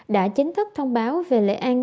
đã chính thức thông báo về lễ ăn